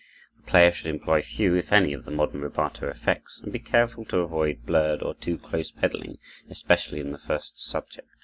The player should employ few, if any, of the modern rubato effects and be careful to avoid blurred or too close pedaling, especially in the first subject.